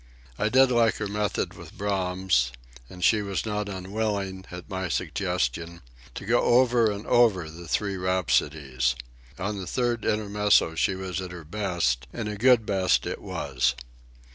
I did like her method with Brahms, and she was not unwilling, at my suggestion, to go over and over the Three Rhapsodies. On the Third Intermezzo she was at her best, and a good best it was.